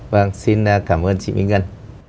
vâng xin cảm ơn chị minh ngân